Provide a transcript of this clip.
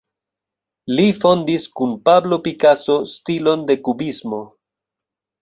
Li fondis kun Pablo Picasso stilon de kubismo.